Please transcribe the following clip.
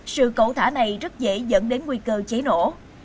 sự cầu thả này rất dễ dẫn đến nguy cơ cháy nổ